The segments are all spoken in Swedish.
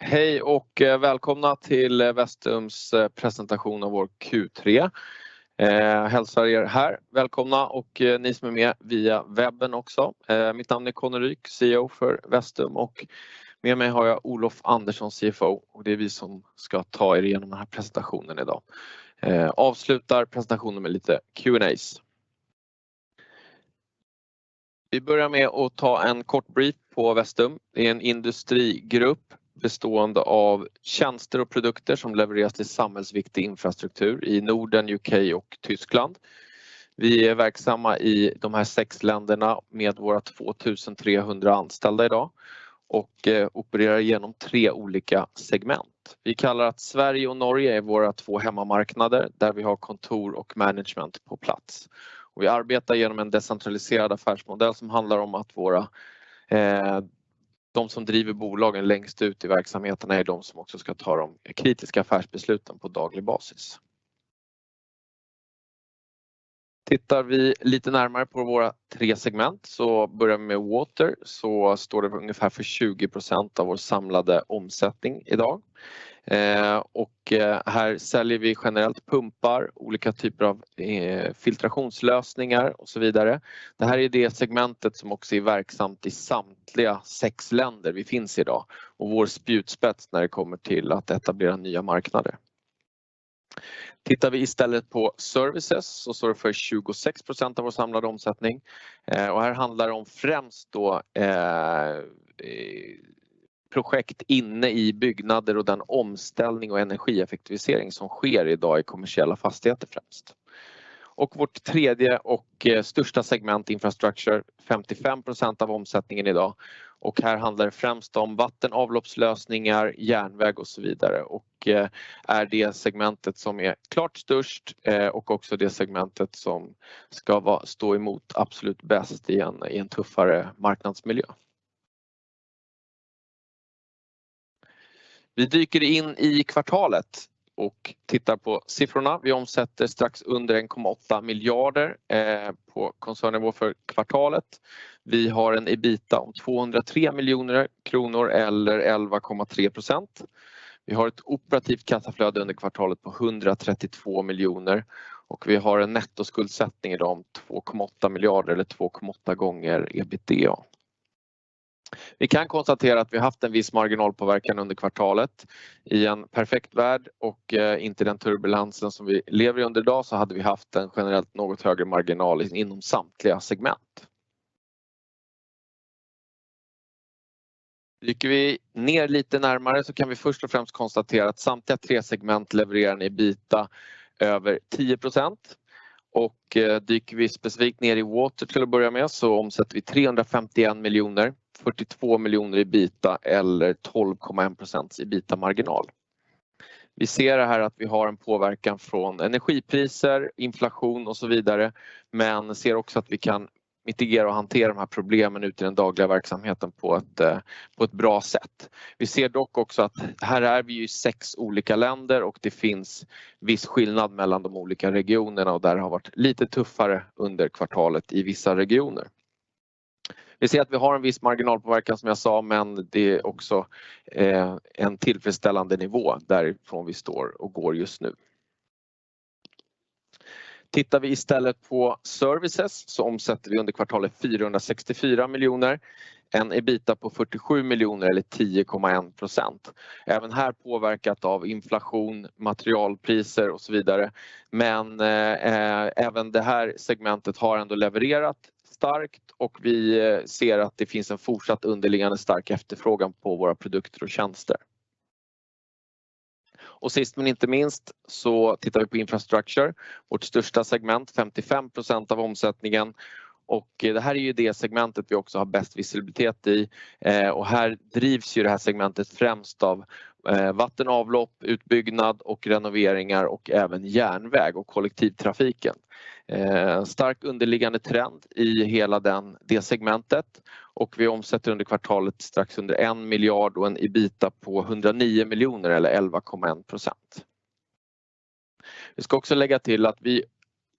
Hej och välkomna till Vestum's presentation av vår Q3. Hälsar er här välkomna och ni som är med via webben också. Mitt namn är Conny Ryk, CEO för Vestum och med mig har jag Olof Andersson, CFO, och det är vi som ska ta er igenom den här presentationen i dag. Avslutar presentationen med lite Q&As. Vi börjar med att ta en kort brief på Vestum. Det är en industrigrupp bestående av tjänster och produkter som levereras till samhällsviktig infrastruktur i Norden, UK och Tyskland. Vi är verksamma i de här 6 länderna med våra 2,300 anställda i dag och opererar igenom 3 olika segment. Vi kallar att Sverige och Norge är våra 2 hemmamarknader där vi har kontor och management på plats. Vi arbetar igenom en decentraliserad affärsmodell som handlar om att våra, de som driver bolagen längst ut i verksamheterna är de som också ska ta de kritiska affärsbesluten på daglig basis. Tittar vi lite närmare på våra three segment så börjar vi med Water så står det för ungefär för 20% av vår samlade omsättning i dag. Här säljer vi generellt pumpar, olika typer av filtrationslösningar och så vidare. Det här är det segmentet som också är verksamt i samtliga six länder vi finns i dag och vår spjutspets när det kommer till att etablera nya marknader. Tittar vi istället på Services så står det för 26% av vår samlade omsättning. Här handlar det om främst då, projekt inne i byggnader och den omställning och energieffektivisering som sker i dag i kommersiella fastigheter främst. Vårt tredje och största segment Infrastructure, 55% av omsättningen i dag. Här handlar det främst om vattenavloppslösningar, järnväg och så vidare. Är det segmentet som är klart störst och också det segmentet som stå emot absolut bäst i en tuffare marknadsmiljö. Vi dyker in i kvartalet och tittar på siffrorna. Vi omsätter strax under SEK 1.8 billion på koncernnivå för kvartalet. Vi har en EBITDA om SEK 203 million eller 11.3%. Vi har ett operativt kassaflöde under kvartalet på SEK 132 million och vi har en nettoskuldsättning i dag om SEK 2.8 billion eller 2.8x EBITDA. Vi kan konstatera att vi haft en viss marginalpåverkan under kvartalet. I en perfekt värld och inte den turbulensen som vi lever i under i dag så hade vi haft en generellt något högre marginal inom samtliga segment. Dyker vi ner lite närmare så kan vi först och främst konstatera att samtliga 3 segment levererar en EBITDA över 10%. Dyker vi specifikt ner i Water till att börja med så omsätter vi SEK 351 miljoner, SEK 42 miljoner EBITDA eller 12.1% EBITDA-marginal. Vi ser det här att vi har en påverkan från energipriser, inflation och så vidare, men ser också att vi kan mitigera och hantera de här problemen ut i den dagliga verksamheten på ett bra sätt. Vi ser dock också att här är vi ju i 6 olika länder och det finns viss skillnad mellan de olika regionerna och där har varit lite tuffare under kvartalet i vissa regioner. Vi ser att vi har en viss marginalpåverkan som jag sa, men det är också en tillfredsställande nivå därifrån vi står och går just nu. Tittar vi istället på Services så omsätter vi under kvartalet SEK 464 million. En EBITDA på SEK 47 million eller 10.1%. Även här påverkat av inflation, materialpriser och så vidare. Även det här segmentet har ändå levererat starkt och vi ser att det finns en fortsatt underliggande stark efterfrågan på våra produkter och tjänster. Sist men inte minst, så tittar vi på Infrastructure, vårt största segment, 55% av omsättningen. Det här är ju det segmentet vi också har bäst visibilitet i. Här drivs ju det här segmentet främst av vatten, avlopp, utbyggnad och renoveringar och även järnväg och kollektivtrafiken. Stark underliggande trend i hela det segmentet. Vi omsätter under kvartalet strax under SEK 1 billion och en EBITDA på SEK 109 million eller 11.1%. Vi ska också lägga till att vi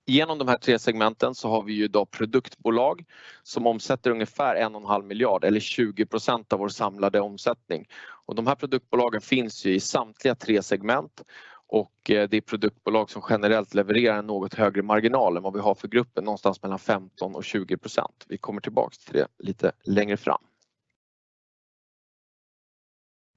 igenom de här tre segmenten så har vi ju då produktbolag som omsätter ungefär SEK 1.5 billion eller 20% av vår samlade omsättning. De här produktbolagen finns ju i samtliga tre segment och det är produktbolag som generellt levererar en något högre marginal än vad vi har för gruppen, någonstans mellan 15%-20%. Vi kommer tillbaka till det lite längre fram.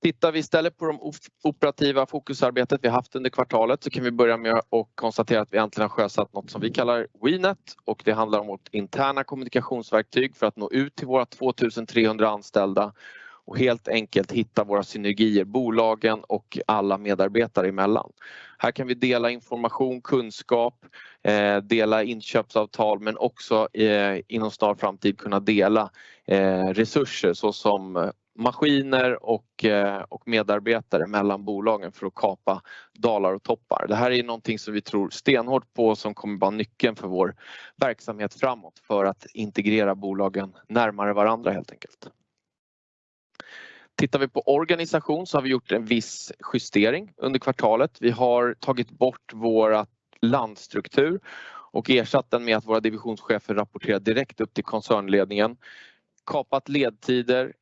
Tittar vi istället på de o-operativa fokusarbetet vi haft under kvartalet så kan vi börja med att konstatera att vi äntligen har sjösatt något som vi kallar WeNet och det handlar om vårt interna kommunikationsverktyg för att nå ut till våra 2,300 anställda och helt enkelt hitta våra synergier, bolagen och alla medarbetare emellan. Här kan vi dela information, kunskap, dela inköpsavtal men också, inom snar framtid kunna dela resurser så som maskiner och medarbetare mellan bolagen för att kapa dalar och toppar. Det här är någonting som vi tror stenhårt på som kommer att vara nyckeln för vår verksamhet framåt för att integrera bolagen närmare varandra helt enkelt. Tittar vi på organisation så har vi gjort en viss justering under kvartalet. Vi har tagit bort landstruktur och ersatt den med att våra divisionschefer rapporterar direkt upp till koncernledningen, kapat ledtider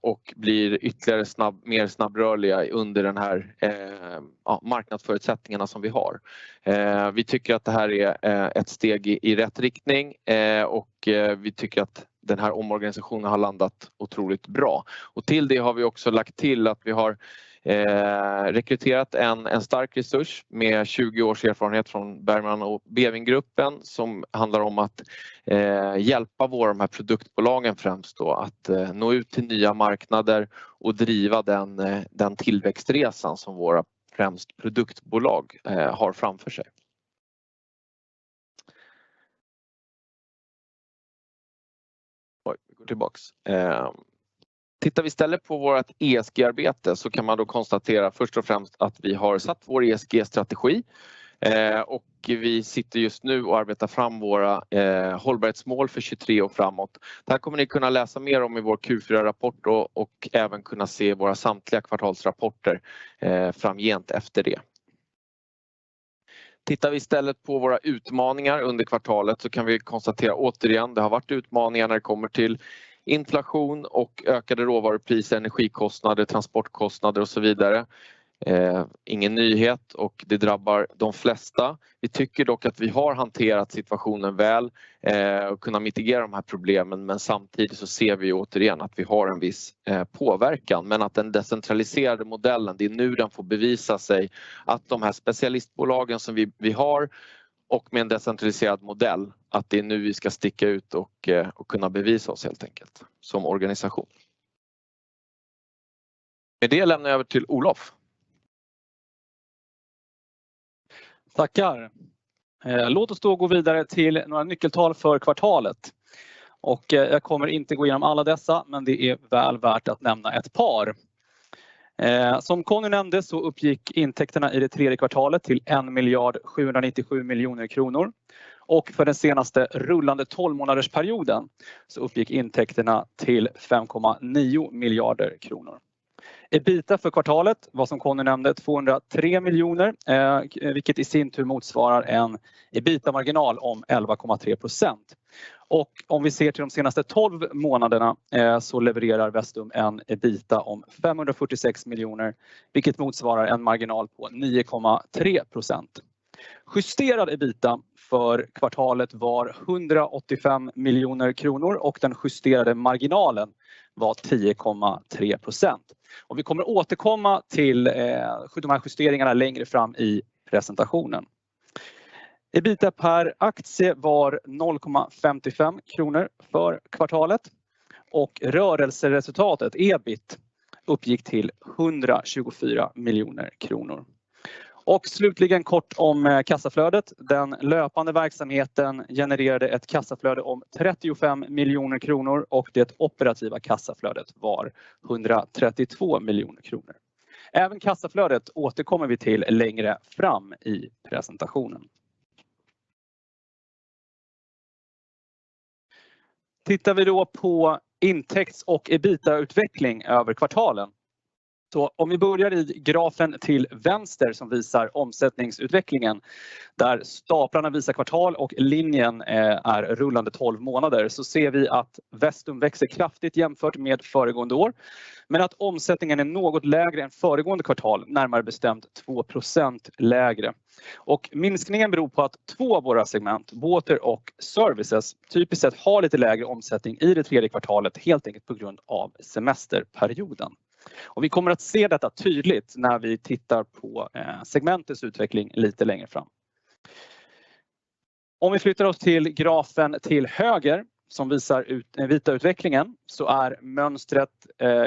och blir ytterligare snabb, mer snabbrörliga under den här ja marknadsförutsättningarna som vi har. Vi tycker att det här är ett steg i rätt riktning och vi tycker att den här omorganisationen har landat otroligt bra. Till det har vi också lagt till att vi har rekryterat en stark resurs med 20 års erfarenhet från Bergman & Beving som handlar om att hjälpa våra de här produktbolagen främst då att nå ut till nya marknader och driva den tillväxtresan som våra främst produktbolag har framför sig. Oj, går tillbaks. Tittar vi istället på vårt ESG-arbete så kan man då konstatera först och främst att vi har satt vår ESG-strategi. Vi sitter just nu och arbetar fram våra hållbarhetsmål för 2023 och framåt. Det här kommer ni kunna läsa mer om i vår Q4-rapport då och även kunna se våra samtliga kvartalsrapporter framgent efter det. Tittar vi istället på våra utmaningar under kvartalet så kan vi konstatera återigen, det har varit utmaningar när det kommer till inflation och ökade råvarupriser, energikostnader, transportkostnader och så vidare. Ingen nyhet och det drabbar de flesta. Vi tycker dock att vi har hanterat situationen väl och kunna mitigerat de här problemen, men samtidigt så ser vi återigen att vi har en viss påverkan. Att den decentraliserade modellen, det är nu den får bevisa sig att de här specialistbolagen som vi har och med en decentraliserad modell, att det är nu vi ska sticka ut och kunna bevisa oss helt enkelt som organisation. Med det lämnar jag över till Olof. Tackar. Låt oss då gå vidare till några nyckeltal för kvartalet. Jag kommer inte gå igenom alla dessa, men det är väl värt att nämna ett par. Som Conny nämnde så uppgick intäkterna i det tredje kvartalet till SEK 1,797 million och för den senaste rullande 12-månadersperioden så uppgick intäkterna till SEK 5.9 billion. EBITDA för kvartalet, vad som Conny nämnde, SEK 203 million, vilket i sin tur motsvarar en EBITDA-marginal om 11.3%. Om vi ser till de senaste 12 månaderna så levererar Vestum en EBITDA om SEK 546 million, vilket motsvarar en marginal på 9.3%. Justerad EBITDA för kvartalet var SEK 185 million och den justerade marginalen var 10.3%. Vi kommer återkomma till de här justeringarna längre fram i presentationen. EBITDA per aktie var SEK 0.55 för kvartalet och rörelseresultatet EBIT uppgick till SEK 124 million. Slutligen kort om kassaflödet. Den löpande verksamheten genererade ett kassaflöde om SEK 35 million och det operativa kassaflödet var SEK 132 million. Även kassaflödet återkommer vi till längre fram i presentationen. Tittar vi då på intäkts- och EBITDA-utveckling över kvartalen. Om vi börjar i grafen till vänster som visar omsättningsutvecklingen, där staplarna visar kvartal och linjen är rullande 12 månader, ser vi att Vestum växer kraftigt jämfört med föregående år, att omsättningen är något lägre än föregående kvartal, närmare bestämt 2% lägre. Minskningen beror på att två av våra segment, Water och Services, typiskt sett har lite lägre omsättning i det tredje kvartalet, helt enkelt på grund av semesterperioden. Vi kommer att se detta tydligt när vi tittar på segmentets utveckling lite längre fram. Om vi flyttar oss till grafen till höger som visar EBITDA-utvecklingen så är mönstret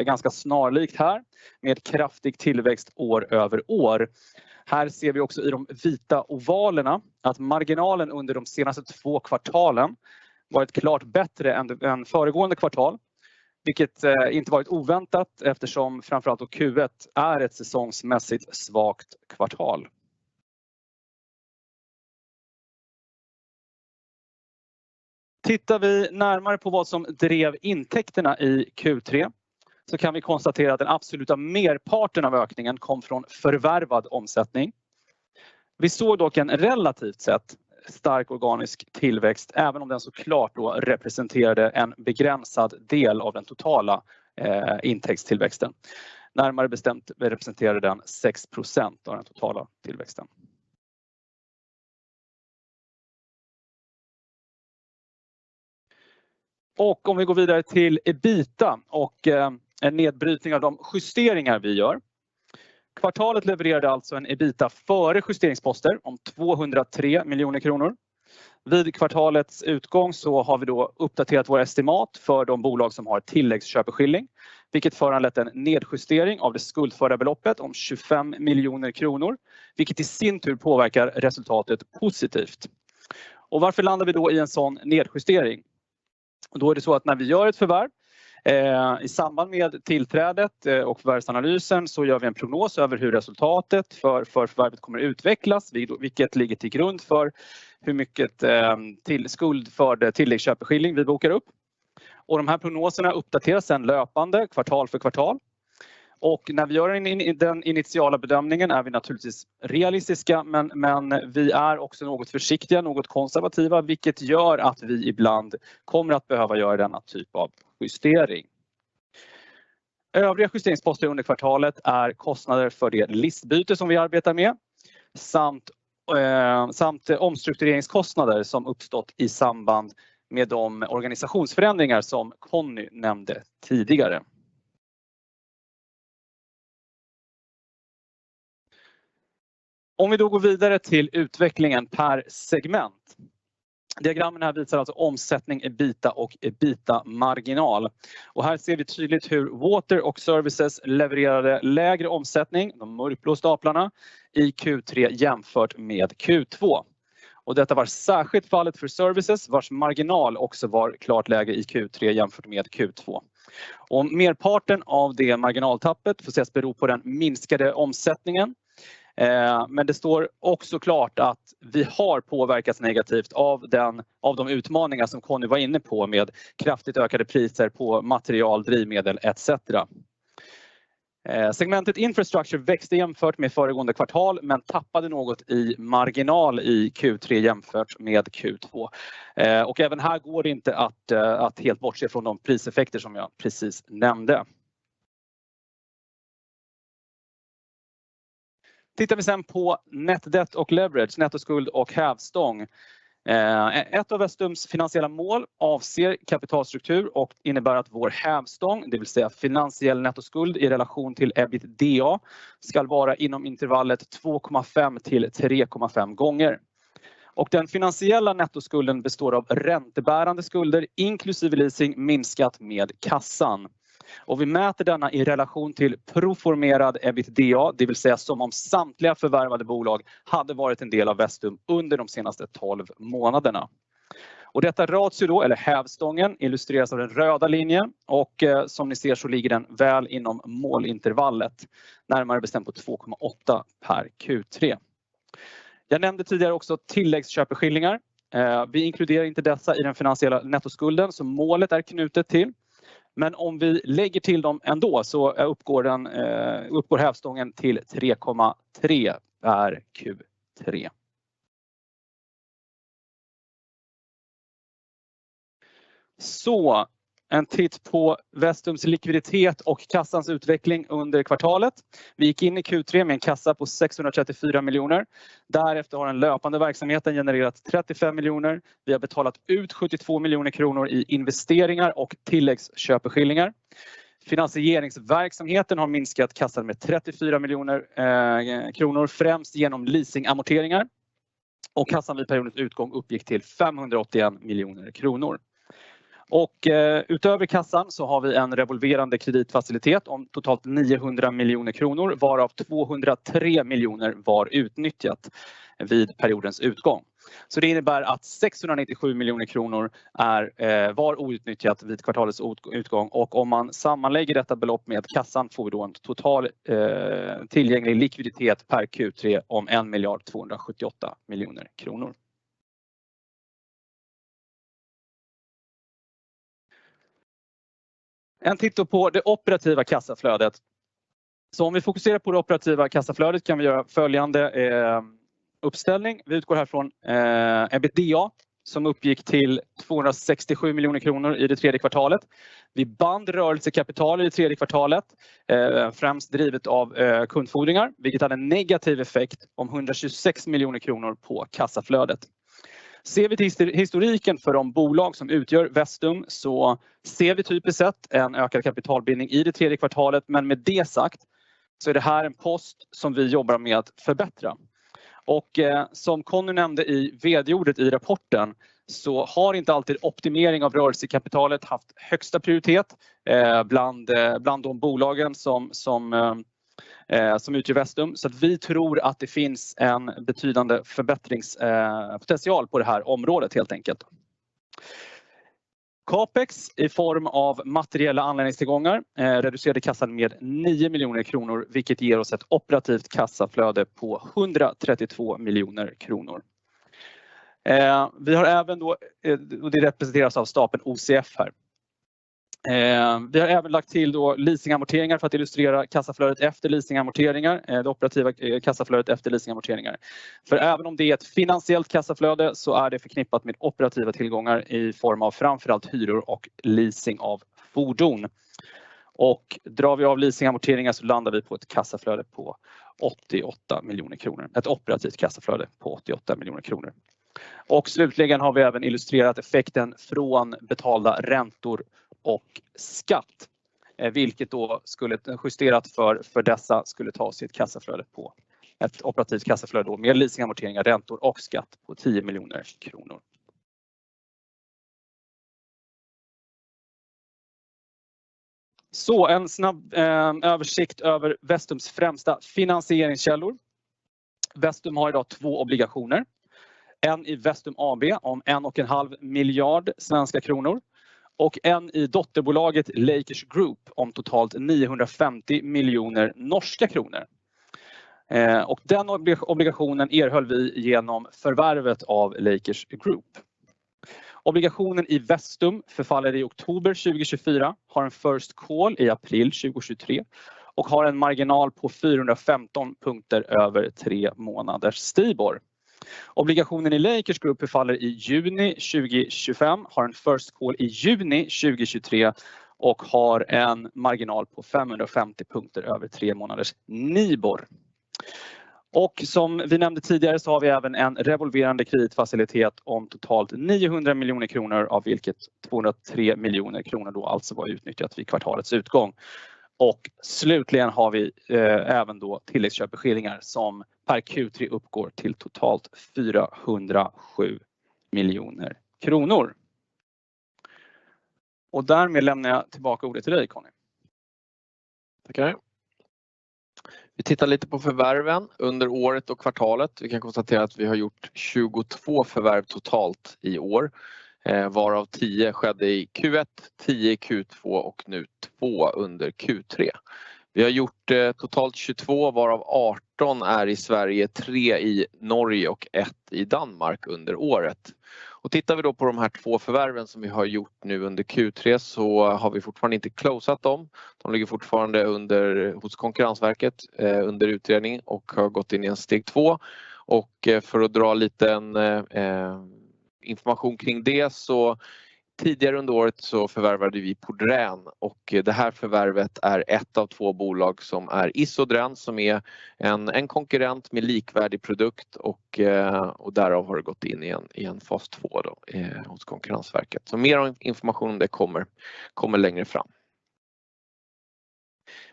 ganska snarlikt här med kraftig tillväxt year-over-year. Här ser vi också i de vita ovalerna att marginalen under de senaste 2 kvartalen var ett klart bättre än föregående kvartal, vilket inte var ett oväntat eftersom framför allt då Q1 är ett säsongsmässigt svagt kvartal. Tittar vi närmare på vad som drev intäkterna i Q3 så kan vi konstatera att den absoluta merparten av ökningen kom från förvärvad omsättning. Vi såg dock en relativt sett stark organisk tillväxt, även om den så klart då representerade en begränsad del av den totala intäktstillväxten. Närmare bestämt representerade den 6% av den totala tillväxten. Om vi går vidare till EBITDA och en nedbrytning av de justeringar vi gör. Kvartalet levererade alltså en EBITDA före justeringsposter om SEK 203 million. Vid kvartalets utgång har vi då uppdaterat våra estimat för de bolag som har tilläggsköpeskilling, vilket föranlett en nedjustering av det skuldföra beloppet om SEK 25 million, vilket i sin tur påverkar resultatet positivt. Varför landar vi då i en sådan nedjustering? Är det så att när vi gör ett förvärv i samband med tillträdet och förvärvsanalysen gör vi en prognos över hur resultatet för förvärvet kommer utvecklas. Vilket ligger till grund för hur mycket skuldförd tilläggsköpeskilling vi bokar upp. De här prognoserna uppdateras sedan löpande kvartal för kvartal. När vi gör den initiala bedömningen är vi naturligtvis realistiska, men vi är också något försiktiga, något konservativa, vilket gör att vi ibland kommer att behöva göra denna typ av justering. Övriga justeringsposter under kvartalet är kostnader för det listbyte som vi arbetar med samt samt omstruktureringskostnader som uppstått i samband med de organisationsförändringar som Conny nämnde tidigare. Om vi då går vidare till utvecklingen per segment. Diagrammen här visar alltså omsättning, EBITDA och EBITDA-marginal. Här ser vi tydligt hur Water och Services levererade lägre omsättning, de mörkblå staplarna, i Q3 jämfört med Q2. Detta var särskilt fallet för Services, vars marginal också var klart lägre i Q3 jämfört med Q2. Merparten av det marginaltappet får ses bero på den minskade omsättningen. Det står också klart att vi har påverkats negativt av de utmaningar som Conny var inne på med kraftigt ökade priser på material, drivmedel etcetera. Segmentet Infrastructure växte jämfört med föregående kvartal, tappade något i marginal i Q3 jämfört med Q2. Även här går det inte att helt bortse från de priseffekter som jag precis nämnde. Tittar vi sen på net debt och leverage, nettoskuld och hävstång. Ett av Vestums finansiella mål avser kapitalstruktur och innebär att vår hävstång, det vill säga finansiell nettoskuld i relation till EBITDA, skall vara inom intervallet 2.5 till 3.5 gånger. Den finansiella nettoskulden består av räntebärande skulder inklusive leasing minskat med kassan. Vi mäter denna i relation till proformerad EBITDA, det vill säga som om samtliga förvärvade bolag hade varit en del av Vestum under de senaste 12 månaderna. Detta ratio då, eller hävstången, illustreras av den röda linjen och som ni ser så ligger den väl inom målintervallet, närmare bestämt på 2.8 per Q3. Jag nämnde tidigare också tilläggsköpeskillingar. Vi inkluderar inte dessa i den finansiella nettoskulden som målet är knutet till. Om vi lägger till dem ändå uppgår hävstången till 3.3 per Q3. En titt på Vestums likviditet och kassans utveckling under kvartalet. Vi gick in i Q3 med en kassa på SEK 634 miljoner. Därefter har den löpande verksamheten genererat SEK 35 miljoner. Vi har betalat ut SEK 72 miljoner kronor i investeringar och tilläggsköpeskillingar. Finansieringsverksamheten har minskat kassan med SEK 34 miljoner kronor, främst genom leasingamorteringar. Kassan vid periodens utgång uppgick till SEK 581 miljoner kronor. Utöver kassan har vi en revolverande kreditfacilitet om totalt SEK 900 miljoner kronor, varav SEK 203 miljoner var utnyttjat vid periodens utgång. Det innebär att SEK 697 miljoner kronor är var outnyttjat vid kvartalets utgång. Om man sammanlägger detta belopp med kassan får vi då en total tillgänglig likviditet per Q3 om SEK 1 miljard 278 miljoner kronor. En titt då på det operativa kassaflödet. Om vi fokuserar på det operativa kassaflödet kan vi göra följande uppställning. Vi utgår här från EBITDA som uppgick till SEK 267 million i det third quarter. Vi band rörelsekapital i det third quarter, främst drivet av kundfordringar, vilket hade en negativ effekt om SEK 126 million på kassaflödet. Ser vi till historiken för de bolag som utgör Vestum så ser vi typiskt sett en ökad kapitalbildning i det third quarter. Med det sagt är det här en post som vi jobbar med att förbättra. Som Conny nämnde i vd-ordet i rapporten har inte alltid optimering av rörelsekapitalet haft högsta prioritet bland de bolagen som utgör Vestum. Vi tror att det finns en betydande förbättringspotential på det här området helt enkelt. CapEx i form av materiella anläggningstillgångar reducerade kassan med SEK 9 million, vilket ger oss ett operativt kassaflöde på SEK 132 million. Vi har även då, och det representeras av stapeln OCF här. Vi har även lagt till då leasingamorteringar för att illustrera kassaflödet efter leasingamorteringar, det operativa kassaflödet efter leasingamorteringar. För även om det är ett finansiellt kassaflöde så är det förknippat med operativa tillgångar i form av framför allt hyror och leasing av fordon. Drar vi av leasingamorteringar så landar vi på ett kassaflöde på SEK 88 million, ett operativt kassaflöde på SEK 88 million. Slutligen har vi även illustrerat effekten från betalda räntor och skatt, vilket då skulle, justerat för dessa, skulle ta sig ett kassaflöde på, ett operativt kassaflöde då med leasingamorteringar, räntor och skatt på SEK 10 million. En snabb översikt över Vestums främsta finansieringskällor. Vestum har i dag 2 obligationer. En i Vestum AB om SEK 1.5 billion och en i dotterbolaget Lakers Group om totalt NOK 950 million. Den obligationen erhöll vi igenom förvärvet av Lakers Group. Obligationen i Vestum förfaller i oktober 2024, har en first call i april 2023 och har en marginal på 415 punkter över 3 månaders Stibor. Obligationen i Lakers Group förfaller i juni 2025, har en first call i juni 2023 och har en marginal på 550 punkter över 3 månaders Nibor. Som vi nämnde tidigare så har vi även en revolverande kreditfacilitet om totalt SEK 900 miljoner av vilket SEK 203 miljoner då alltså var utnyttjat vid kvartalets utgång. Slutligen har vi även då tilläggsköpeskillingar som per Q3 uppgår till totalt SEK 407 miljoner. Därmed lämnar jag tillbaka ordet till dig, Conny. Tackar. Vi tittar lite på förvärven under året och kvartalet. Vi kan konstatera att vi har gjort 22 förvärv totalt i år, varav 10 skedde i Q1, 10 i Q2 och nu 2 under Q3. Vi har gjort totalt 22 varav 18 är i Sverige, 3 i Norge och 1 i Danmark under året. Tittar vi då på de här 2 förvärven som vi har gjort nu under Q3 så har vi fortfarande inte closat dem. De ligger fortfarande under hos Konkurrensverket under utredning och har gått in i en steg 2. För att dra lite en information kring det så tidigare under året så förvärvade vi Pordrän och det här förvärvet är ett av 2 bolag som är Isodrän som är en konkurrent med likvärdig produkt och därav har det gått in i en fas 2 då hos Konkurrensverket. Mer information om det kommer längre fram.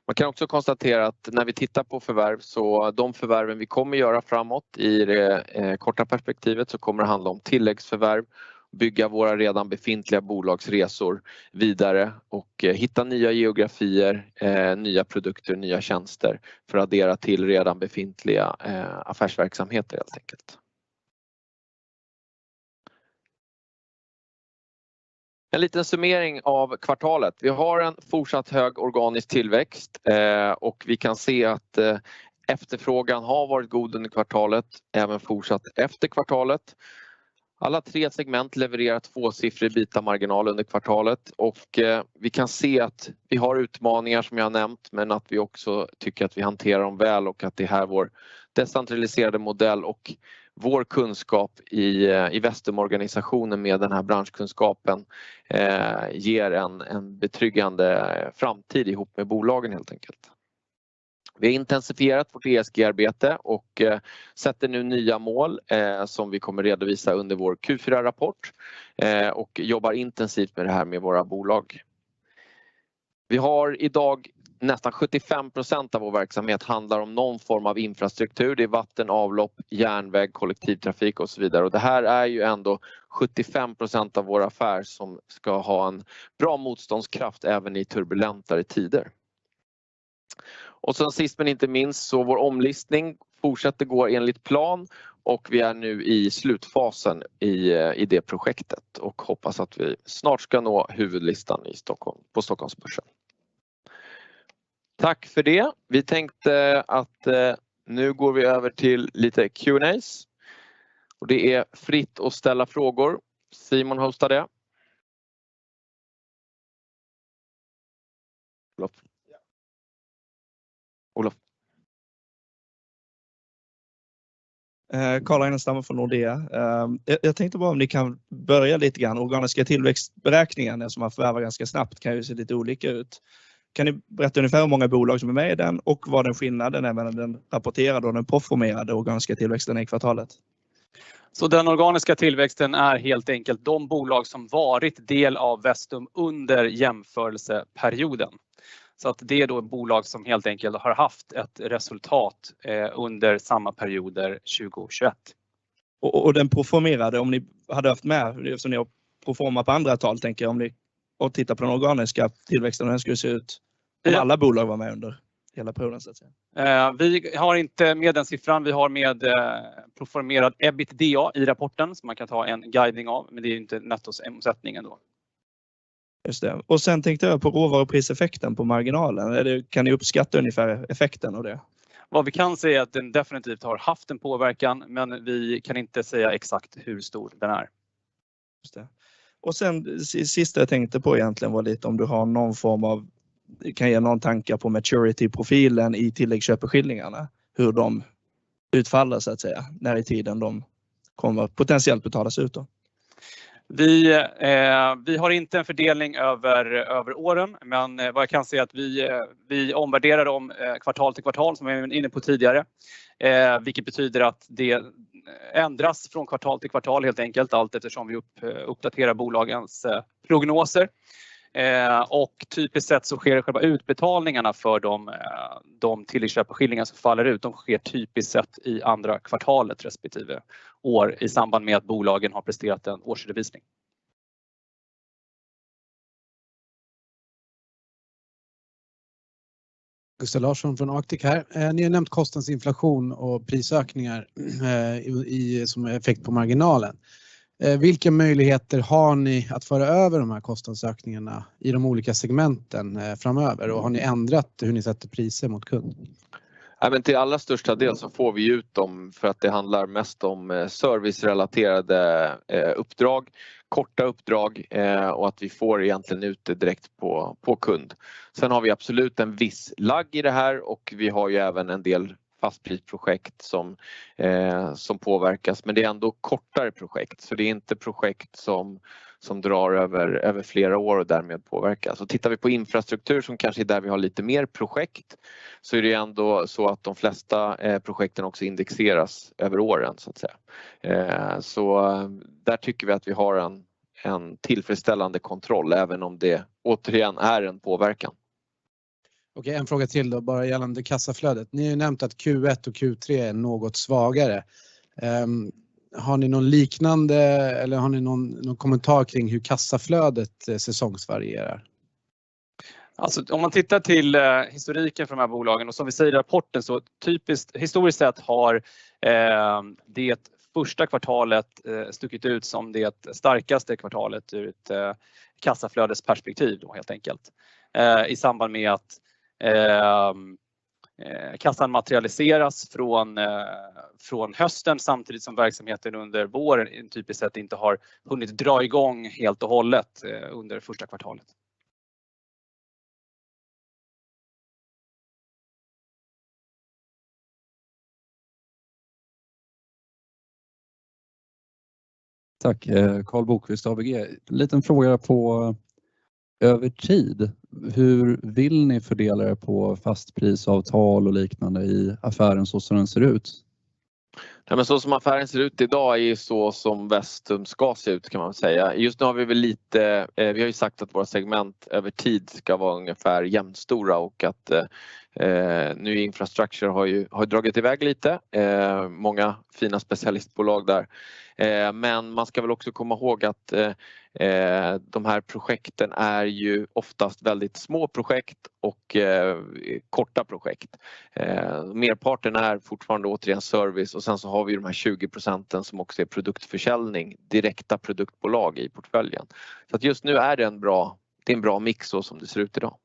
Man kan också konstatera att när vi tittar på förvärv så de förvärven vi kommer göra framåt i det korta perspektivet så kommer det handla om tilläggsförvärv, bygga våra redan befintliga bolagsresor vidare och hitta nya geografier, nya produkter, nya tjänster för att addera till redan befintliga affärsverksamheter helt enkelt. En liten summering av kvartalet. Vi har en fortsatt hög organisk tillväxt och vi kan se att efterfrågan har varit god under kvartalet, även fortsatt efter kvartalet. Alla tre segment levererar tvåsiffrig EBITA-marginal under kvartalet och vi kan se att vi har utmaningar som jag har nämnt, men att vi också tycker att vi hanterar dem väl och att det är här vår decentraliserade modell och vår kunskap i Vestum-organisationen med den här branschkunskapen ger en betryggande framtid ihop med bolagen helt enkelt. Vi har intensifierat vårt ESG-arbete och sätter nu nya mål som vi kommer redovisa under vår Q4-rapport och jobbar intensivt med det här med våra bolag. Vi har i dag nästan 75% av vår verksamhet handlar om någon form av infrastruktur. Det är vatten, avlopp, järnväg, kollektivtrafik och så vidare. Det här är ju ändå 75% av vår affär som ska ha en bra motståndskraft även i turbulentare tider. Sen sist men inte minst, så vår omlistning fortsätter går enligt plan och vi är nu i slutfasen i det projektet och hoppas att vi snart ska nå huvudlistan i Stockholm, på Stockholmsbörsen. Tack för det. Vi tänkte att nu går vi över till lite Q&As. Det är fritt att ställa frågor. Simon hostar det. Carl Ragnerstam från Nordea. Jag tänkte bara om ni kan börja lite grann. Organiska tillväxtberäkningen eftersom man förvärvar ganska snabbt kan ju se lite olika ut. Kan ni berätta ungefär hur många bolag som är med i den och vad den skillnaden är mellan den rapporterade och den proformerade organiska tillväxten i kvartalet? Den organiska tillväxten är helt enkelt de bolag som varit del av Vestum under jämförelseperioden. Att det är då bolag som helt enkelt har haft ett resultat under samma perioder 2021. Den proformerade, om ni hade haft med det eftersom ni har proformat på andra tal tänker jag, om ni tittar på den organiska tillväxten, hur den skulle se ut om alla bolag var med under hela perioden så att säga. Vi har inte med den siffran. Vi har med proformerad EBITDA i rapporten som man kan ta en guidning av. Det är inte nettots omsättning ändå. Just det. Tänkte jag på råvarupriseffekten på marginalen. Kan ni uppskatta ungefär effekten av det? Vad vi kan säga är att den definitivt har haft en påverkan, men vi kan inte säga exakt hur stor den är. Just det. Sen sist jag tänkte på egentligen var lite om du har någon form av, kan ge någon tanke på maturity-profilen i tilläggsköpeskillingarna, hur de utfaller så att säga, när i tiden de kommer potentiellt betalas ut då. Vi har inte en fördelning över åren, men vad jag kan säga att vi omvärderar dem kvartal till kvartal som jag var inne på tidigare. Vilket betyder att det ändras från kvartal till kvartal helt enkelt allt eftersom vi uppdaterar bolagens prognoser. Typiskt sett så sker själva utbetalningarna för de tilläggsköpeskillingar som faller ut. De sker typiskt sett i andra kvartalet respektive år i samband med att bolagen har presterat en årsredovisning. Gustav Larsson från Arctic här. Ni har nämnt kostnadsinflation och prisökningar som effekt på marginalen. Vilka möjligheter har ni att föra över de här kostnadsökningarna i de olika segmenten framöver? Har ni ändrat hur ni sätter priser mot kund? Till allra största del så får vi ju ut dem för att det handlar mest om servicerelaterade uppdrag, korta uppdrag och att vi får egentligen ut det direkt på kund. Vi har absolut en viss lagg i det här och vi har ju även en del fastprisprojekt som påverkas. Det är ändå kortare projekt. Det är inte projekt som drar över flera år och därmed påverkas. Tittar vi på Infrastructure som kanske är där vi har lite mer projekt, så är det ändå så att de flesta projekten också indexeras över åren så att säga. Där tycker vi att vi har en tillfredsställande kontroll, även om det återigen är en påverkan. Okej, en fråga till då, bara gällande kassaflödet. Ni har ju nämnt att Q1 och Q3 är något svagare. Har ni någon liknande eller har ni någon kommentar kring hur kassaflödet säsongsvarierar? Alltså om man tittar till historiken för de här bolagen och som vi säger i rapporten så typiskt historiskt sett har det första kvartalet stuckit ut som det starkaste kvartalet ur ett kassaflödesperspektiv då helt enkelt. I samband med att kassan materialiseras från hösten samtidigt som verksamheten under våren typiskt sett inte har hunnit dra i gång helt och hållet under första kvartalet. Tack, Karl Bokvist, ABG. Liten fråga på över tid. Hur vill ni fördela er på fastprisavtal och liknande i affären så som den ser ut? Nej men så som affären ser ut i dag är ju så som Vestum ska se ut kan man väl säga. Just nu har vi väl lite, vi har ju sagt att våra segment över tid ska vara ungefär jämstora och att nu Infrastructure har ju dragit i väg lite. Många fina specialistbolag där. Man ska väl också komma ihåg att de här projekten är ju oftast väldigt små projekt och korta projekt. Merparten är fortfarande återigen Services och sen så har vi de här 20% som också är produktförsäljning, direkta produktbolag i portföljen. Just nu är det en bra, det är en bra mix så som det ser ut i dag.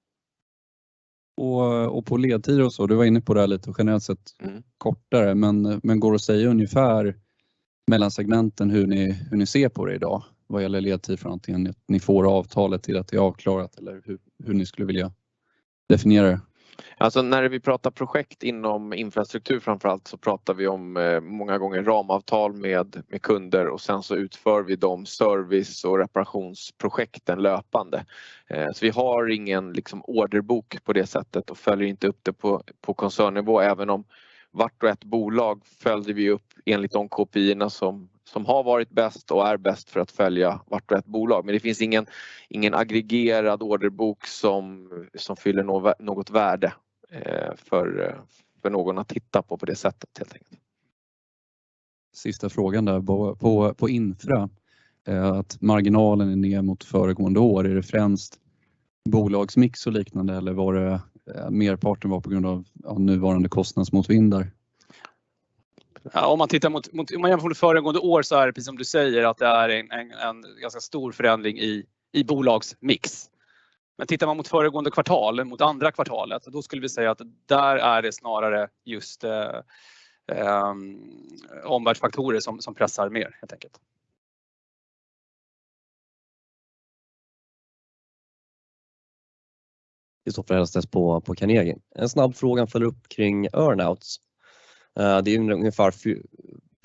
På ledtider och så, du var inne på det här lite generellt sett kortare, men går det att säga ungefär mellan segmenten hur ni, hur ni ser på det i dag? Vad gäller ledtid från att ni får avtalet till att det är avklarat eller hur ni skulle vilja definiera det? När vi pratar projekt inom infrastruktur framför allt pratar vi om många gånger ramavtal med kunder och sen utför vi de service- och reparationsprojekten löpande. Vi har ingen liksom orderbok på det sättet och följer inte upp det på koncernnivå. Vart och ett bolag följde vi upp enligt de KPIerna som har varit bäst och är bäst för att följa vart och ett bolag. Det finns ingen aggregerad orderbok som fyller något värde för någon att titta på på det sättet helt enkelt. Sista frågan där. På Infrastructure. Att marginalen är ner mot föregående år. Är det främst bolagsmix och liknande? Eller var det merparten var på grund av nuvarande kostnadsmotvindar? Om man tittar mot, om man jämför det föregående år så är det precis som du säger att det är en ganska stor förändring i bolagsmix. Men tittar man mot föregående kvartal, mot andra kvartalet, då skulle vi säga att där är det snarare just omvärldsfaktorer som pressar mer helt enkelt. Christoffer Hällstedt på Carnegie. En snabb fråga för att följa upp kring earn outs. Det är ungefär SEK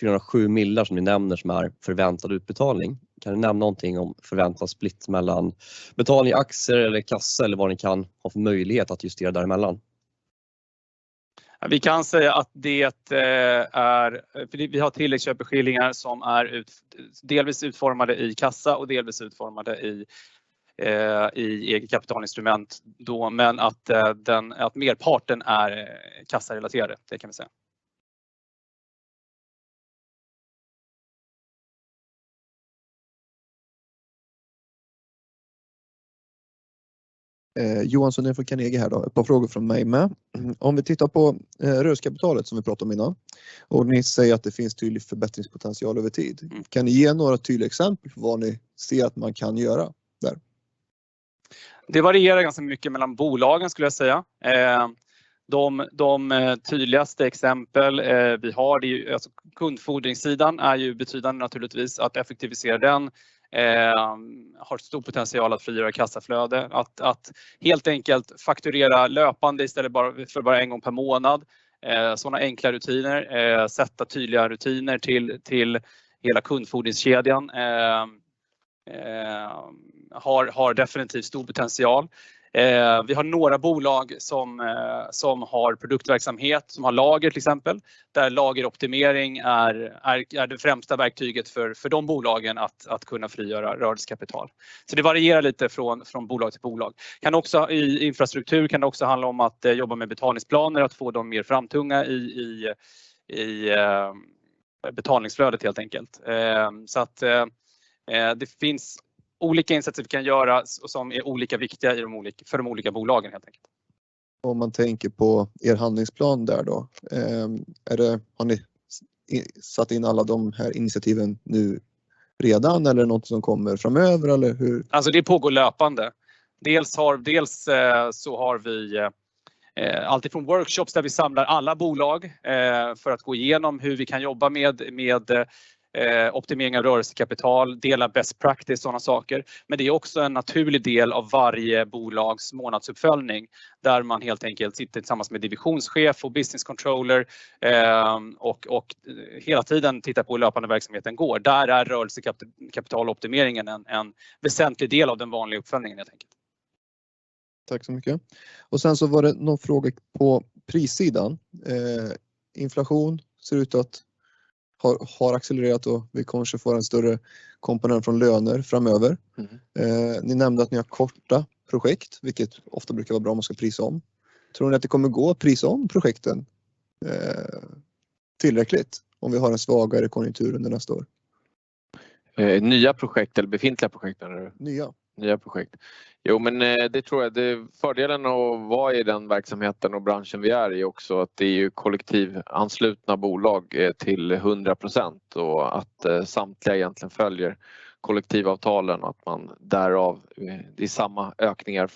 407 million som ni nämner som är förväntad utbetalning. Kan du nämna någonting om förväntad splitt mellan betalning i aktier eller kassa eller vad ni kan ha för möjlighet att justera däremellan? Vi kan säga att det är, vi har tilläggsköpeskillingar som är delvis utformade i kassa och delvis utformade i eget kapitalinstrument då. Att merparten är kassarelaterade, det kan vi säga. Johan Sundén från Carnegie här då. Ett par frågor från mig med. Om vi tittar på rörelsekapitalet som vi pratade om innan och ni säger att det finns tydlig förbättringspotential över tid. Kan ni ge några tydliga exempel på vad ni ser att man kan göra där? Det varierar ganska mycket mellan bolagen skulle jag säga. De tydligaste exempel vi har, det är ju alltså kundfordringssidan är ju betydande naturligtvis. Att effektivisera den har stor potential att frigöra kassaflöde. Att helt enkelt fakturera löpande istället bara, för bara one gång per månad. Sådana enkla rutiner. Sätta tydliga rutiner till hela kundfordringskedjan har definitivt stor potential. Vi har några bolag som har produktverksamhet, som har lager till exempel, där lageroptimering är det främsta verktyget för de bolagen att kunna frigöra rörelsekapital. Så det varierar lite från bolag till bolag. Kan också i infrastruktur, kan det också handla om att jobba med betalningsplaner, att få dem mer framtunga i betalningsflödet helt enkelt. Det finns olika insatser vi kan göra och som är olika viktiga i de, för de olika bolagen helt enkelt. Om man tänker på er handlingsplan där då. Är det, har ni satt in alla de här initiativen nu? Redan eller nåt som kommer framöver eller hur? Det pågår löpande. Dels så har vi alltifrån workshops där vi samlar alla bolag för att gå igenom hur vi kan jobba med optimering av rörelsekapital, dela best practice, sådana saker. Det är också en naturlig del av varje bolags månadsuppföljning där man helt enkelt sitter tillsammans med divisionschef och business controller och hela tiden tittar på hur löpande verksamheten går. Där är rörelsekapitaloptimeringen en väsentlig del av den vanliga uppföljningen helt enkelt. Tack så mycket. Sen så var det någon fråga på prissidan. Inflation ser ut att har accelererat och vi kanske får en större komponent från löner framöver. Ni nämnde att ni har korta projekt, vilket ofta brukar vara bra om man ska prisa om. Tror ni att det kommer att gå att prisa om projekten tillräckligt om vi har en svagare konjunktur under nästa år? Nya projekt eller befintliga projekt menar du? Nya. Nya projekt. Det tror jag. Fördelen att vara i den verksamheten och branschen vi är i också, att det är ju kollektivanslutna bolag till 100% och att samtliga egentligen följer kollektivavtalen. Det är samma ökningar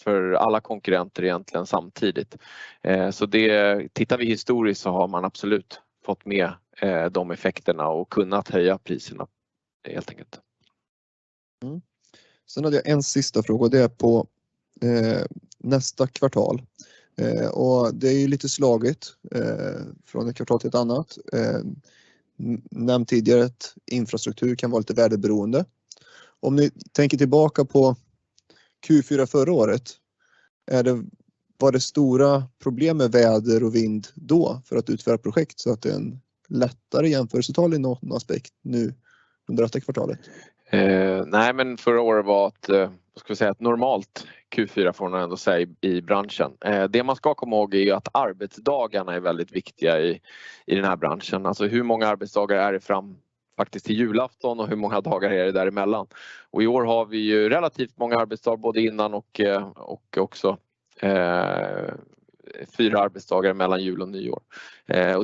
för alla konkurrenter egentligen samtidigt. Det, tittar vi historiskt så har man absolut fått med de effekterna och kunnat höja priserna helt enkelt. Hade jag en sista fråga, det är på nästa kvartal. Det är lite slagit från ett kvartal till ett annat. Nämnt tidigare att infrastruktur kan vara lite värdeberoende. Om ni tänker tillbaka på Q4 förra året, var det stora problem med väder och vind då för att utföra projekt så att det är en lättare jämförelsetal i någon aspekt nu under detta kvartalet? Nej, förra året var ett, vad ska vi säga, ett normalt Q4 får man ändå säga i branschen. Det man ska komma ihåg är att arbetsdagarna är väldigt viktiga i den här branschen. Alltså, hur många arbetsdagar är det fram faktiskt till julafton och hur många dagar är det där emellan? I år har vi ju relativt många arbetsdagar både innan och också four arbetsdagar mellan jul och nyår.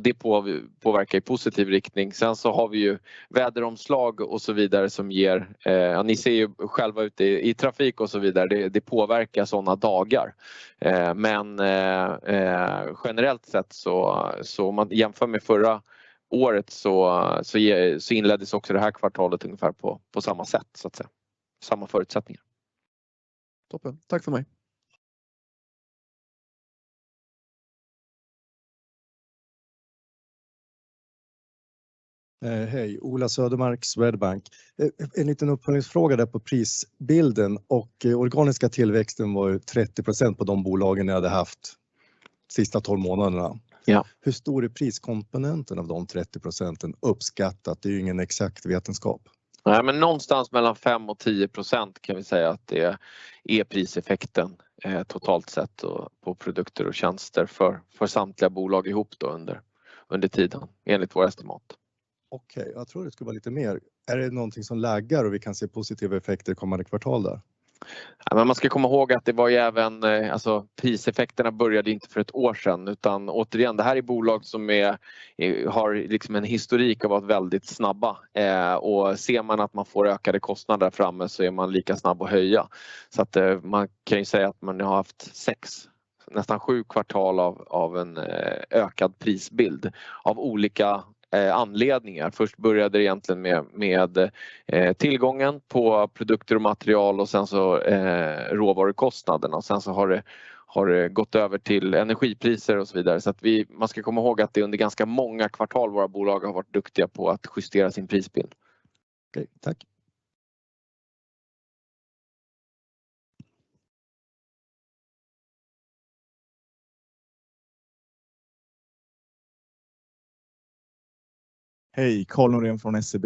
Det påverkar i positiv riktning. Vi har ju väderomslag och så vidare som ger, ja, ni ser ju själva ute i trafik och så vidare. Det påverkar sådana dagar. Generellt sett så om man jämför med förra året så inleddes också det här kvartalet ungefär på samma sätt så att säga. Samma förutsättningar. Toppen, tack för mig. Hej, Ola Södermark, Swedbank. En liten uppföljningsfråga där på prisbilden och organiska tillväxten var ju 30% på de bolagen ni hade haft sista 12 månaderna. Ja. Hur stor är priskomponenten av de 30% uppskattat? Det är ju ingen exakt vetenskap. Någonstans mellan 5% och 10% kan vi säga att det är priseffekten totalt sett på produkter och tjänster för samtliga bolag ihop då under tiden enligt vår estimat. Okej, jag tror det skulle vara lite mer. Är det någonting som laggar och vi kan se positiva effekter kommande kvartal där? Man ska komma ihåg att det var ju även, priseffekterna började inte för 1 år sedan. Återigen, det här är bolag som har liksom en historik av att vara väldigt snabba. Ser man att man får ökade kostnader där framme så är man lika snabb att höja. Man kan ju säga att man har haft 6, nästan 7 kvartal av en ökad prisbild av olika anledningar. Först började det egentligen med tillgången på produkter och material och sen så råvarukostnaderna. Sen har det gått över till energipriser och så vidare. Man ska komma ihåg att det är under ganska många kvartal våra bolag har varit duktiga på att justera sin prisbild. Okay, thanks. Hej, Karl Norén från SEB.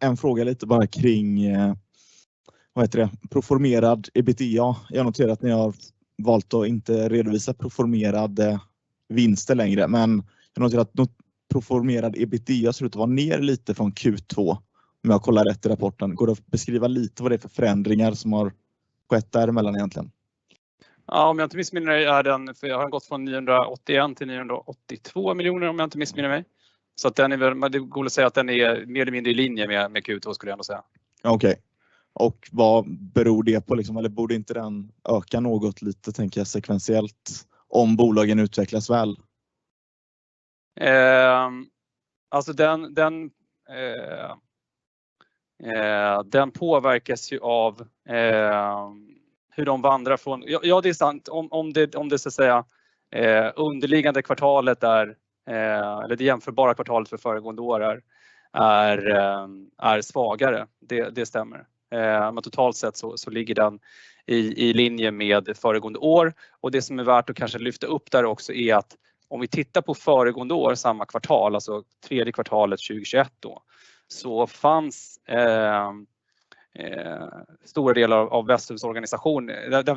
En fråga lite bara kring, vad heter det, proformerad EBITDA, jag noterar att ni har valt att inte redovisa proformerade vinster längre, men jag noterar att proformerad EBITDA ser ut att vara ner lite från Q2 om jag kollar rätt i rapporten, går det att beskriva lite vad det är för förändringar som har skett där emellan egentligen? Om jag inte missminner mig är den, för jag har gått från SEK 981 till SEK 982 million om jag inte missminner mig. Den är väl, det går att säga att den är mer eller mindre i linje med Q2 skulle jag nog säga. Okej, och vad beror det på liksom? Borde inte den öka något lite tänker jag sekventiellt om bolagen utvecklas väl? Alltså den påverkas ju av hur de vandrar från. Ja, det är sant. Om det så att säga underliggande kvartalet är eller det jämförbara kvartalet för föregående år är svagare. Det stämmer. Men totalt sett så ligger den i linje med föregående år. Det som är värt att kanske lyfta upp där också är att om vi tittar på föregående år, samma kvartal, alltså tredje kvartalet 2021 då, så fanns stora delar av Vestums organisation,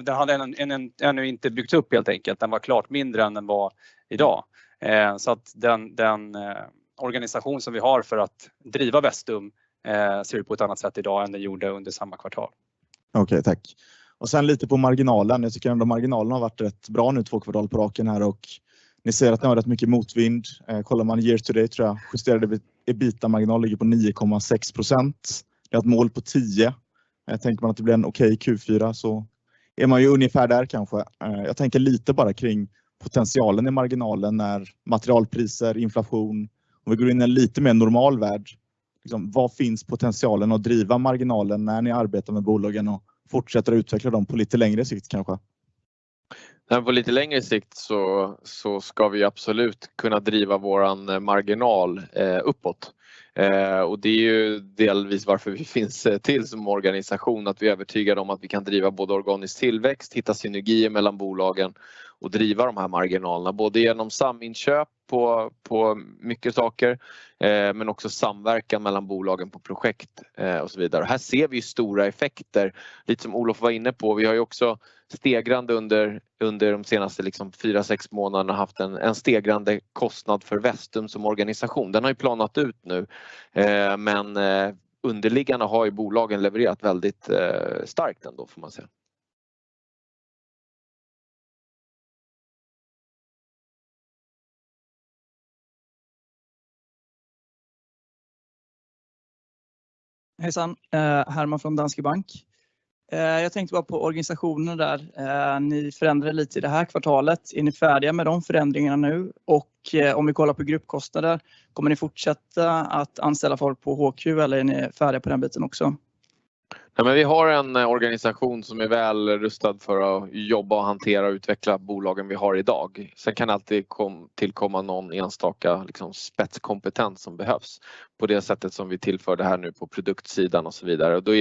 den hade ännu inte byggts upp helt enkelt. Den var klart mindre än den var i dag. Den organisation som vi har för att driva Vestum ser ut på ett annat sätt i dag än den gjorde under samma kvartal. Okej, tack. Sen lite på marginalen. Jag tycker ändå marginalen har varit rätt bra nu 2 kvartal på raken här och ni säger att ni har rätt mycket motvind. Kollar man year-to-date tror jag, justerade EBITA-marginal ligger på 9.6%. Ni har ett mål på 10. Tänker man att det blir en okej Q4 så är man ju ungefär där kanske. Jag tänker lite bara kring potentialen i marginalen när materialpriser, inflation, om vi går in i en lite mer normal värld. Vad finns potentialen att driva marginalen när ni arbetar med bolagen och fortsätter att utveckla dem på lite längre sikt kanske? På lite längre sikt så ska vi absolut kunna driva vår marginal uppåt. Det är ju delvis varför vi finns till som organisation. Att vi är övertygade om att vi kan driva både organisk tillväxt, hitta synergier mellan bolagen och driva de här marginalerna. Både igenom saminköp på mycket saker, men också samverkan mellan bolagen på projekt och så vidare. Här ser vi stora effekter, lite som Olof var inne på. Vi har ju också stegrande under de senaste 4, 6 månaderna haft en stegrande kostnad för Vestum som organisation. Den har ju planat ut nu. Underliggande har ju bolagen levererat väldigt starkt ändå får man säga. Hejsan, Herman från Danske Bank. Jag tänkte bara på organisationen där. Ni förändrade lite i det här kvartalet. Är ni färdiga med de förändringarna nu? Om vi kollar på gruppkostnader, kommer ni fortsätta att anställa folk på HQ eller är ni färdiga på den biten också? Vi har en organisation som är väl rustad för att jobba och hantera och utveckla bolagen vi har i dag. Sen kan det alltid tillkomma någon enstaka spetskompetens som behövs på det sättet som vi tillför det här nu på produktsidan och så vidare. Då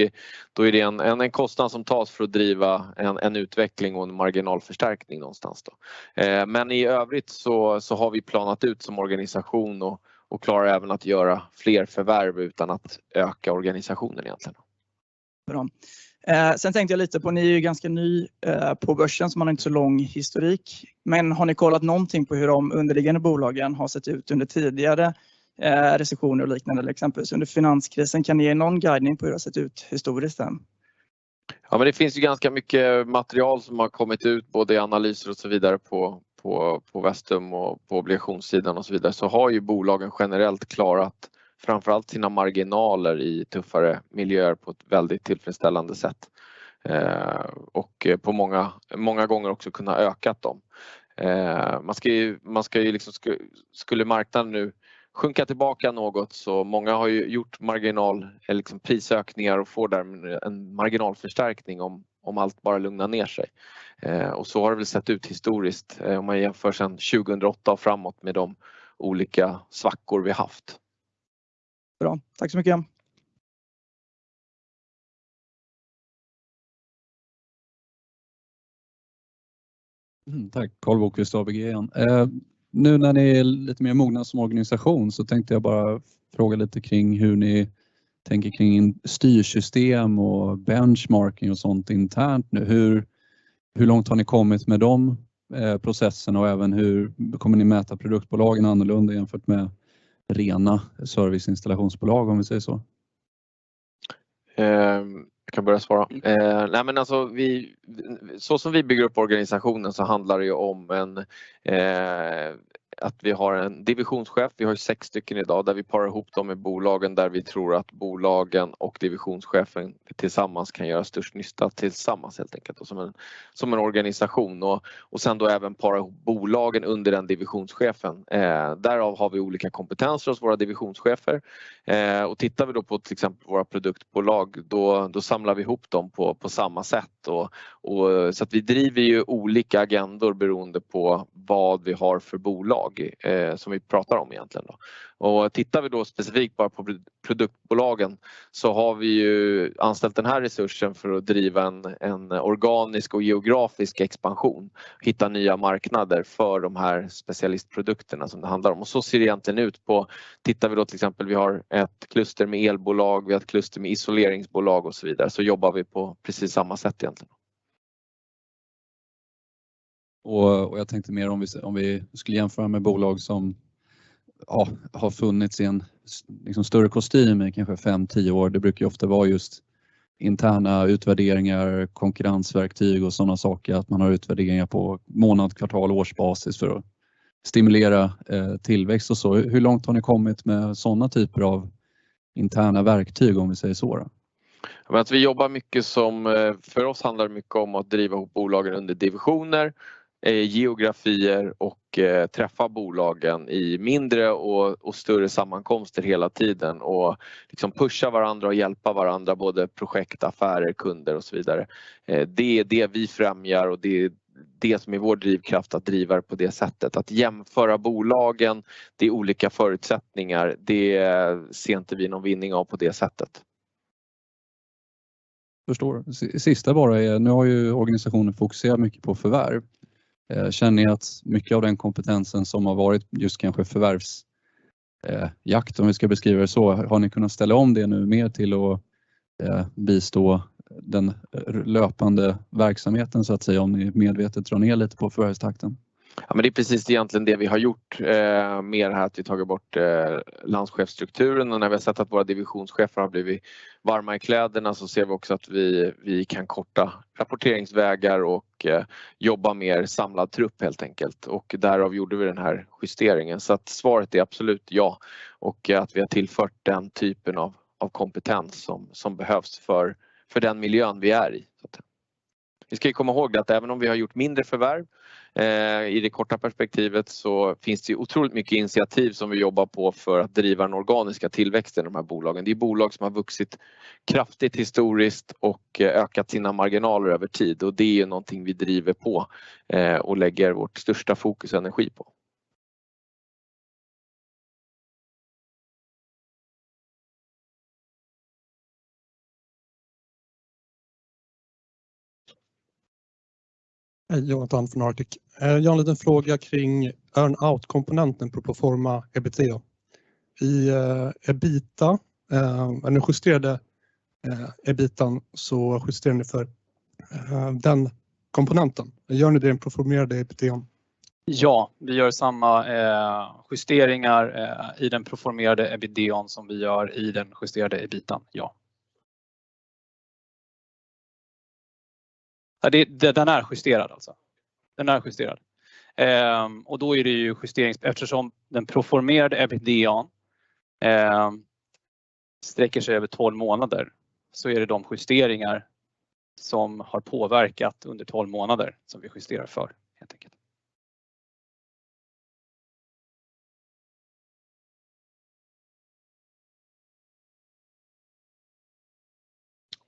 är det en kostnad som tas för att driva en utveckling och en marginalförstärkning någonstans då. I övrigt så har vi planat ut som organisation och klarar även att göra fler förvärv utan att öka organisationen egentligen. Bra. Tänkte jag lite på, ni är ju ganska ny på börsen så man har inte så lång historik. Har ni kollat någonting på hur de underliggande bolagen har sett ut under tidigare recessioner och liknande? Till exempel under finanskrisen. Kan ni ge någon guidning på hur det har sett ut historiskt sen? Det finns ju ganska mycket material som har kommit ut, både i analyser och så vidare på Vestum och på obligation sidan och så vidare. Bolagen har ju generellt klarat framför allt sina marginaler i tuffare miljöer på ett väldigt tillfredsställande sätt. På många gånger också kunna ökat dem. Man ska ju liksom, skulle marknaden nu sjunka tillbaka något så många har ju gjort marginal- eller prisökningar och får därmed en marginalförstärkning om allt bara lugnar ner sig. Så har det väl sett ut historiskt om man jämför sedan 2008 och framåt med de olika svackor vi haft. Bra, tack så mycket. Tack, Karl Bokvist, ABG igen. Nu när ni är lite mer mogna som organisation så tänkte jag bara fråga lite kring hur ni tänker kring styrsystem och benchmarking och sånt internt nu. Hur långt har ni kommit med de processerna och även hur kommer ni mäta produktbolagen annorlunda jämfört med rena serviceinstallationsbolag om vi säger så? Jag kan börja svara. Nej men alltså vi, så som vi bygger upp organisationen, så handlar det ju om en att vi har en divisionschef. Vi har ju 6 stycken i dag där vi parar ihop dem med bolagen där vi tror att bolagen och divisionschefen tillsammans kan göra störst nytta tillsammans helt enkelt som en organisation. Sen då även para ihop bolagen under den divisionschefen. Därav har vi olika kompetenser hos våra divisionschefer. Tittar vi då på till exempel våra produktbolag, då samlar vi ihop dem på samma sätt. Så att vi driver ju olika agendor beroende på vad vi har för bolag som vi pratar om egentligen då. Tittar vi då specifikt bara på produktbolagen så har vi ju anställt den här resursen för att driva en organisk och geografisk expansion, hitta nya marknader för de här specialistprodukterna som det handlar om. Ser det egentligen ut på, tittar vi då till exempel, vi har ett kluster med elbolag, vi har ett kluster med isoleringsbolag och så vidare. Jobbar vi på precis samma sätt egentligen. Jag tänkte mer om vi skulle jämföra med bolag som, ja, har funnits i en större kostym i kanske 5, 10 år. Det brukar ofta vara just interna utvärderingar, konkurrensverktyg och sådana saker. Att man har utvärderingar på månad, kvartal, årsbasis för att stimulera tillväxt och så. Hur långt har ni kommit med sådana typer av interna verktyg om vi säger så då? Vi jobbar mycket. För oss handlar det mycket om att driva ihop bolagen under divisioner, geografier och träffa bolagen i mindre och större sammankomster hela tiden. Pusha varandra och hjälpa varandra, både projekt, affärer, kunder och så vidare. Det är det vi främjar och det är det som är vår drivkraft att driva det på det sättet. Att jämföra bolagen, det är olika förutsättningar. Det ser inte vi någon vinning av på det sättet. Förstår. Sista bara är, nu har ju organisationen fokuserat mycket på förvärv. Känner ni att mycket av den kompetensen som har varit just kanske förvärvs-? Jakt om vi ska beskriva det så. Har ni kunnat ställa om det nu mer till att bistå den löpande verksamheten så att säga om ni medvetet drar ner lite på förvärvstakten? Det är precis egentligen det vi har gjort mer här att vi tagit bort landschefsstrukturen. När vi har sett att våra divisionschefer har blivit varma i kläderna så ser vi också att vi kan korta rapporteringsvägar och jobba mer samlad trupp helt enkelt. Därav gjorde vi den här justeringen. Svaret är absolut ja och att vi har tillfört den typen av kompetens som behövs för den miljön vi är i. Vi ska komma ihåg att även om vi har gjort mindre förvärv i det korta perspektivet så finns det ju otroligt mycket initiativ som vi jobbar på för att driva den organiska tillväxten i de här bolagen. Det är bolag som har vuxit kraftigt historiskt och ökat sina marginaler över tid och det är ju någonting vi driver på och lägger vårt största fokus energi på. Hej Jonatan från Arctic. Jag har en liten fråga kring earn out-komponenten proforma EBITDA. I EBITDA, eller den justerade EBITA, så justerar ni för den komponenten. Gör ni det i den proformerade EBITDA? Vi gör samma justeringar i den proformerade EBITDA som vi gör i den justerade EBITA, ja. Den är justerad alltså. Den är justerad. Då är det ju justering. Eftersom den proformerade EBITDA sträcker sig över 12 månader, så är det de justeringar som har påverkat under 12 månader som vi justerar för helt enkelt.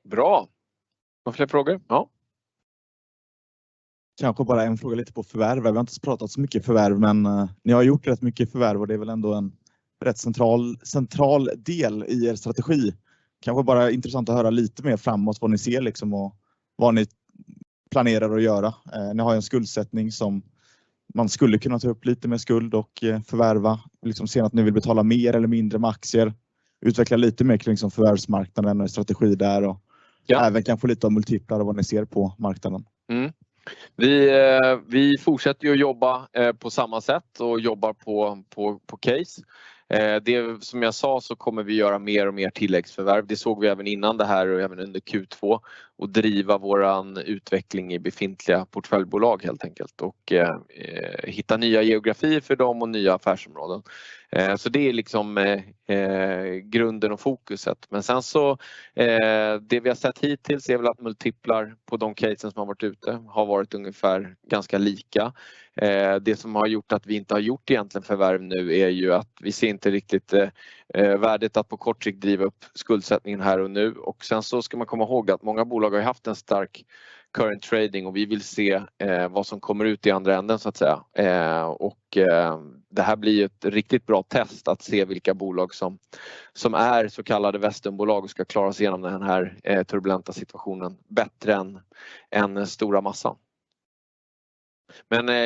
Bra. Några fler frågor? Ja. Kanske bara en fråga lite på förvärv. Vi har inte pratat så mycket förvärv, men ni har gjort rätt mycket förvärv och det är väl ändå en rätt central del i er strategi. Kanske bara intressant att höra lite mer framåt vad ni ser liksom och vad ni planerar att göra. Ni har ju en skuldsättning som man skulle kunna ta upp lite med skuld och förvärva. Liksom sen att ni vill betala mer eller mindre med aktier, utveckla lite mer kring som förvärvsmarknaden och strategi där. Även kanske lite multiplar av vad ni ser på marknaden. Vi fortsätter att jobba på samma sätt och jobbar på case. Det som jag sa så kommer vi göra mer och mer tilläggsförvärv. Det såg vi även innan det här och även under Q2. Driva vår utveckling i befintliga portföljbolag helt enkelt. Hitta nya geografier för dem och nya affärsområden. Det är liksom grunden och fokuset. Sen det vi har sett hittills är väl att multiplar på de casen som har varit ute har varit ungefär ganska lika. Det som har gjort att vi inte har gjort egentligen förvärv nu är ju att vi ser inte riktigt värdet att på kort sikt driva upp skuldsättningen här och nu. Ska man komma ihåg att många bolag har haft en stark current trading och vi vill se vad som kommer ut i andra änden så att säga. Det här blir ett riktigt bra test att se vilka bolag som är så kallade Vestumbolag och ska klaras igenom den här turbulenta situationen bättre än stora massan.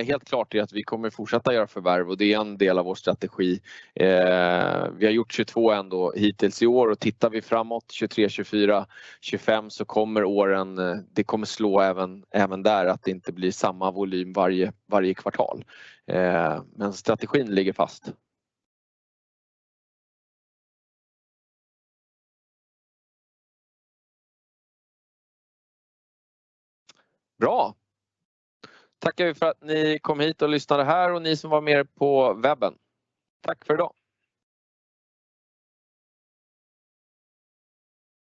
Helt klart är att vi kommer fortsätta göra förvärv och det är en del av vår strategi. Vi har gjort 22 ändå hittills i år och tittar vi framåt 2027, 2024, 2025 så kommer åren, det kommer slå även där att det inte blir samma volym varje kvartal. Strategin ligger fast. Bra. Tackar vi för att ni kom hit och lyssnade här och ni som var med på webben. Tack för i dag.